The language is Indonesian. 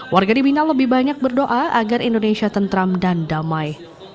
warga di mina lebih banyak berdoa agar indonesia tentram dan damai